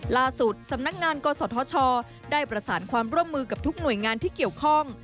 สำนักงานกศธชได้ประสานความร่วมมือกับทุกหน่วยงานที่เกี่ยวข้อง